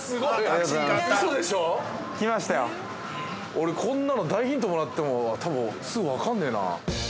◆俺、こんなの大ヒントもらっても、多分、すぐ分かんねえな。